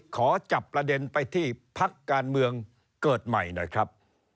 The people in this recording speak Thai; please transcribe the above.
ขอจับประเด็นไปที่พักการเมืองเกิดใหม่หน่อยครับ